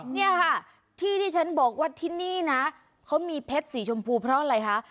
เนี่ยค่ะที่ที่ฉันบอกว่าที่นี่นะเขามีเพชรสีชมพูเพราะอะไรคะ